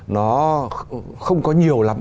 nó không có nhiều lắm